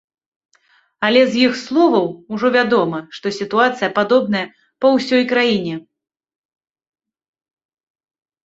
Але з іх словаў ужо вядома, што сітуацыя падобная па ўсёй краіне.